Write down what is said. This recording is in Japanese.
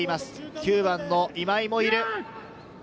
９番の今井もいる。